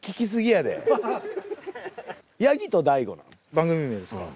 番組名ですか？